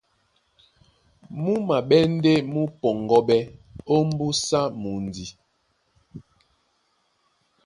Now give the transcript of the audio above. Mú maɓɛ́ ndé mú pɔŋgɔ́ɓɛ́ ómbúsá mundi.